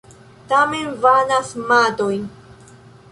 Tamen vanas matoj.